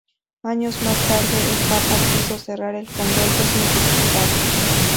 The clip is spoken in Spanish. Años más tarde el papa quiso cerrar el convento, sin resultados.